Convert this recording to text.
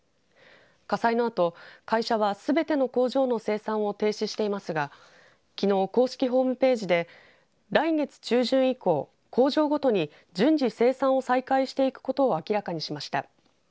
火災のあと、会社はすべての工場の生産を停止していますがきのう、公式ホームページで来月中旬以降工場ごとに順次生産を再開していくことを明らかにしました。